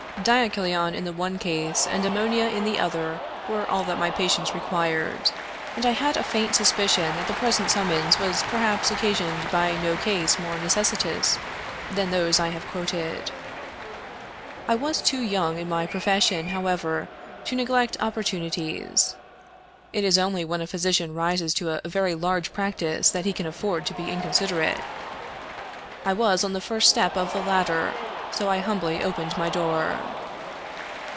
Diachylon in the one case and ammonia in the other were all that my patients required; and I had a faint suspicion that the present summons was perhaps occasioned by no case more necessitous than those I have quoted. I was too young in my profession, however, to neglect oppor tunities. It is only when a physician rises to a very large practice that he can afford to be inconsiderate. I was on the first step of the ladder, so I humbly opened my door.